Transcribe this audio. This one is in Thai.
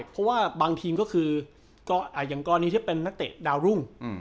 เพราะว่าบางทีมก็คืออย่างกรณีที่เป็นนักเตะดาวรุ่ง